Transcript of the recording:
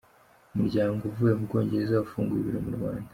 Umuryango Uvuye Mubwongereza wafunguye ibiro mu Rwanda